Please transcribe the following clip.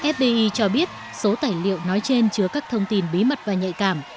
fdi cho biết số tài liệu nói trên chứa các thông tin bí mật và nhạy cảm